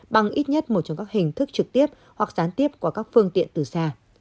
bằng ít nhất một trong các hình thức trực tiếp hoặc gián tiếp qua các phương tiện từ xa